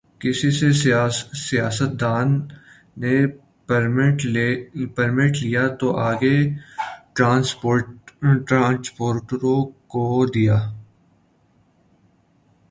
کسی سیاستدان نے پرمٹ لے لیا تو آگے ٹرانسپورٹروں کو دیا۔